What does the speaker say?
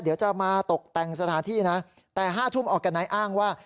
เดี๋ยวจะมาตกแต่งสถานที่นะแต่๕ทุ่มออกกับนายอ้างว่า